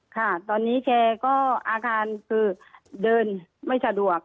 ค่ะตอนนี้แกก็อาการคือเดินไม่สะดวก